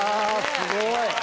すごい！